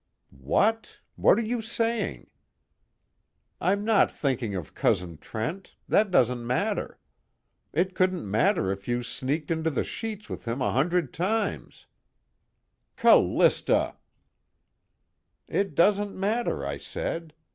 '" "What? What are you saying?" "I'm not thinking of Cousin Trent that doesn't matter. It couldn't matter if you sneaked into the sheets with him a hundred times " "Callista!" "It doesn't matter, I said.